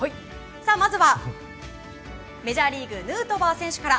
まずは、メジャーリーグヌートバー選手から。